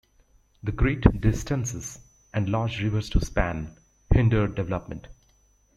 The great distances, and large rivers to span, hindered development.